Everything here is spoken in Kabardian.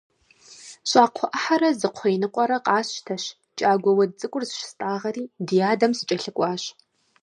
ЩӀакхъуэ Ӏыхьэрэ зы кхъуей ныкъуэрэ къасщтэщ, кӀагуэ уэд цӀыкӀур зыщыстӏагъэри ди адэм сыкӀэлъыкӀуащ.